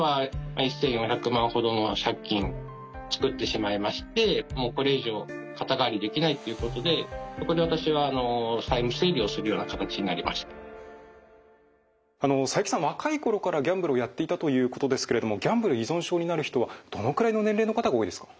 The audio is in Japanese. そうですね作ってしまいましてもうこれ以上肩代わりできないっていうことでそこで私は佐伯さん若い頃からギャンブルをやっていたということですけれどもギャンブル依存症になる人はどのくらいの年齢の方が多いですか？